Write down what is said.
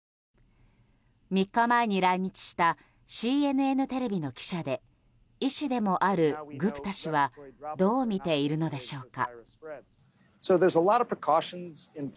３日前に来日したＣＮＮテレビの記者で医師でもあるグプタ氏はどう見ているのでしょうか。